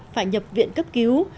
phải nhập viện cấp cứu